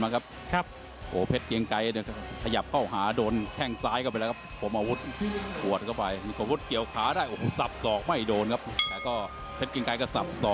ครับภาพชาของรองผู้เอกเราครับยกที่สองที่ผ่านมา